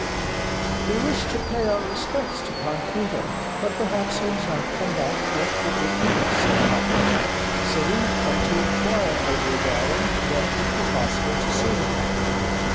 "We wish to pay our respects to Pan Kmita, but perhaps he has not come back yet from Upita," said Pakosh; "so we have come to inquire, our dear darling, when it will be possible to see him."